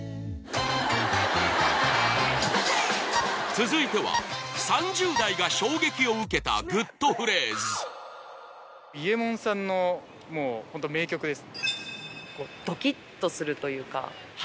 続いては３０代が衝撃を受けたグッとフレーズイエモンさんのもうホント名曲です